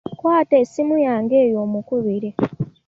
Kwata essimu yange eyo omukubire.